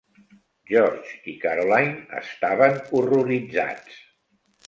George i Caroline estaven horroritzats.